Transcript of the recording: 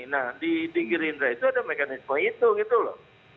nah di gerindra itu ada mekanisme itu gitu loh